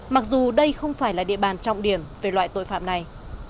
mặc dù đây không phải là địa bàn trọng điểm về loại tội phạm này